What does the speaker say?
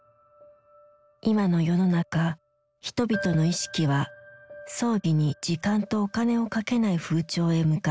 今の世の中人々の意識は葬儀に時間とお金をかけない風潮へ向かっている。